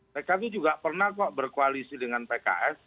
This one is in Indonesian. pkb juga pernah kok berkoalisi dengan pks